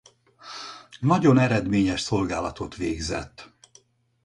Nagyon eredményes szolgálatot végzett.